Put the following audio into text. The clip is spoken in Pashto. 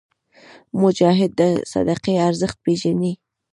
مجاهد د صدقې ارزښت پېژني.